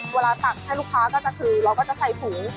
เวลาตักให้ลูกค้าก็จะคือเราก็จะใส่ผูง